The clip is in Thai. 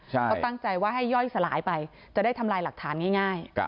เขาตั้งใจว่าให้ย่อยสลายไปจะได้ทำลายหลักฐานง่าย